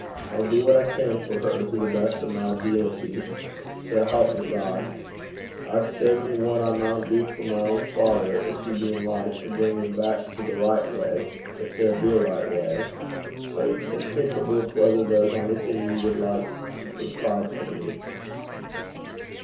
I'll do what I can for her to the best o' my abeelity, sae help me God aye savin' what I maun do for my ain father, gin he be in life, to fess (bring) him back to the richt gait, gin there be a richt gait. Sae ye can think aboot whether there's onything ye wad like to lippen till me.'